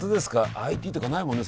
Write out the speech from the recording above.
ＩＴとかないもんね